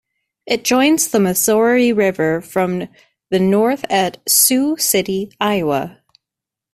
It joins the Missouri River from the north at Sioux City, Iowa.